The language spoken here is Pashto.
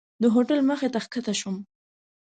د هوټل مخې ته ښکته شوم.